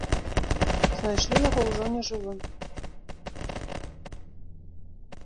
Знайшлі яго ўжо нежывым.